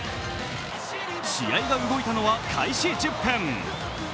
試合が動いたのは開始１０分。